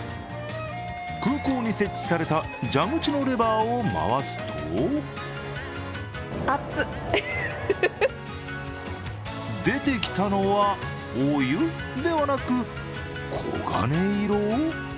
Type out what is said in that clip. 空港に設置された蛇口のレバーを回すと出てきたのはお湯ではなく、黄金色？